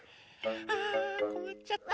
あこまっちゃったな。